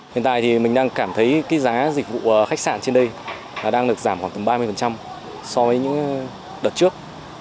hiện tại thì mình đang cảm thấy giá dịch vụ khách sạn trên đây đang được giảm khoảng tầm ba mươi so với những đợt trước